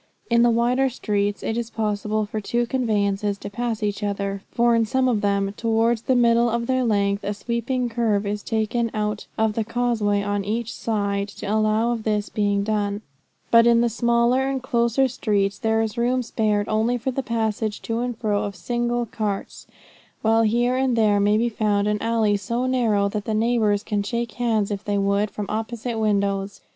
In the wider streets it is possible for two conveyances to pass each other; for in some of them, towards the middle of their length, a sweeping curve is taken out of the causeway on either side to allow of this being done; but in the smaller and closer streets there is room spared only for the passage to and fro of single carts, while here and there may be found an alley so narrow that the neighbours can shake hands, if they would, from opposite windows.